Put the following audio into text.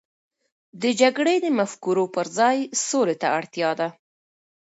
د جګړې د مفکورو پر ځای، سولې ته اړتیا ده.